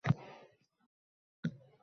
Buni uddalashimga ko‘zim yetmadi.